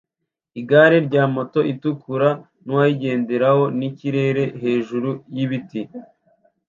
Igare rya moto itukura nuwayigenderaho ni ikirere hejuru yibiti